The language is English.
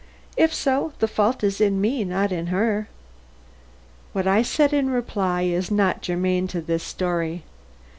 If so, the fault is in me, not in her." What I said in reply is not germane to this story.